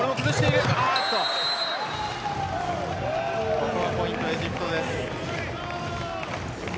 ここはポイント、エジプトです。